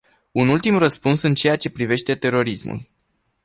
Un ultim răspuns în ceea ce privește terorismul.